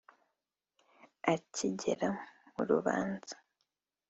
Akigera mu rubanza